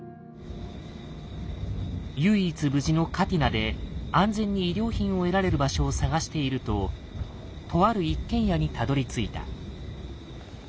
唯一無事のカティナで安全に医療品を得られる場所を探しているととある一軒家にたどりついた。